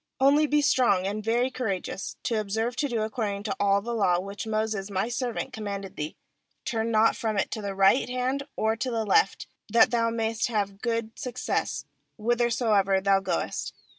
70nly be strong and very courageous, to observe to do accord ing to all the law, which Moses My servant commanded thee; turn not from it to the right hand or to the left, that thou mayest have good success whithersoever thou goest.